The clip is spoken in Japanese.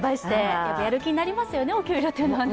やる気になりますよね、お給料というのはね。